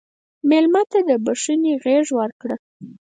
مېلمه ته د بښنې غېږ ورکړه.